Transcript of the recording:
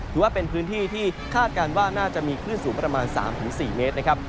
ถือว่าเป็นพื้นที่ที่คาดการณ์ว่าน่าจะมีคลื่นสูงประมาณ๓๔เมตรนะครับ